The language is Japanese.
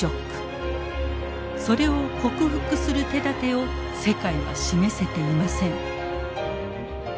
それを克服する手だてを世界は示せていません。